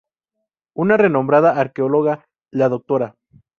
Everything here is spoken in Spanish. Una renombrada arqueóloga, la Dra.